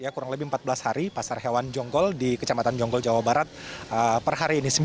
kurang lebih empat belas hari pasar hewan jonggol di kecamatan jonggol jawa barat per hari ini